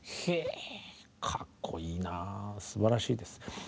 へかっこいいなぁすばらしいです。